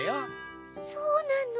そうなの？